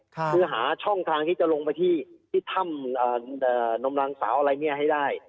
คือหาช่องทางที่จะลงไปที่ธ่ำนมรังสาวให้ได้